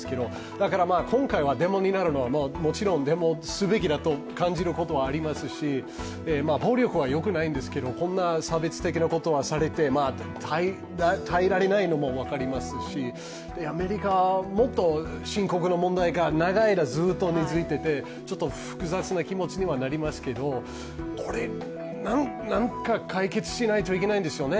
だから今回はデモになるのはもちろんデモすべきだと感じることはありますし暴力はよくないんですけど、こんな差別的なことをされて耐えられないのも分かりますしアメリカはもっと深刻な問題が、長い間ずっと根づいていて、複雑な気持ちになりますけど何か解決しないといけないんですよね。